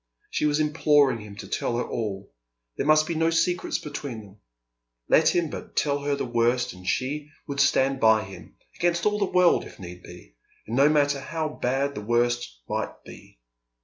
She was imploring him to tell her all; there must be no secrets between them; let him but tell her the worst and she would stand by him, against all the world if need be, and no matter how bad the worst might be.